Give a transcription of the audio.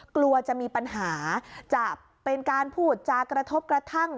กลัวจะมีปัญหาจะเป็นการพูดจากกระทบกระทั่ง